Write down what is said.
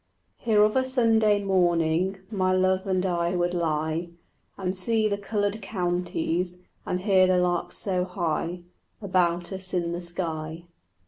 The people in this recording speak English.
Here of a Sunday morning My love and I would lie And see the coloured counties, And hear the larks so high About us in the sky.